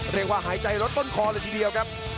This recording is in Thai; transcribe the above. เริ่มว่าหายใจรถต้นคอเลยทีเดียวครับ